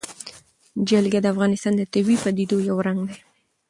جلګه د افغانستان د طبیعي پدیدو یو رنګ دی.